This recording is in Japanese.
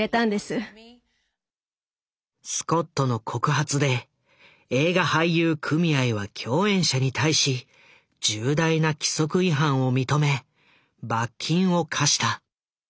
スコットの告発で映画俳優組合は共演者に対し重大な規則違反を認め罰金を科した。